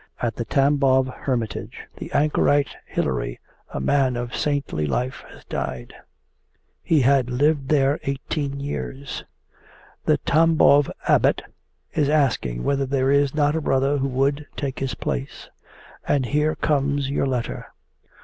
At the Tambov hermitage the anchorite Hilary, a man of saintly life, has died. He had lived there eighteen years. The Tambov Abbot is asking whether there is not a brother who would take his place. And here comes your letter.